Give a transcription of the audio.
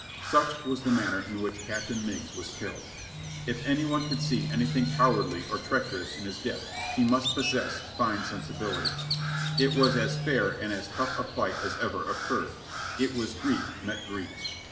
Such was the manner in which Captain Meigs was killed. If any one can see anything cowardly or treacherous in his death, he must possess fine sensibilities ; it was as fair and as tough a fight as ever occurred ; it was Greek met Greek.